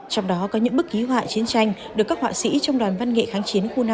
trong đó có những bức ký họa chiến tranh được các họa sĩ trong đoàn văn nghệ kháng chiến khu năm